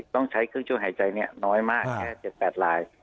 ต้องใช้เครื่องช่วยหายใจน้อยมากแค่๗๘ลาย